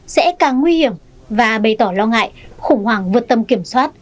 sẽ càng nguy hiểm và bày tỏ lo ngại khủng hoảng vượt tâm kiểm soát